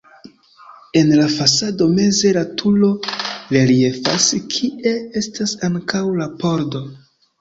En la fasado meze la turo reliefas, kie estas ankaŭ la pordo.